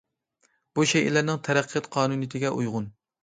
بۇ شەيئىلەرنىڭ تەرەققىيات قانۇنىيىتىگە ئۇيغۇن.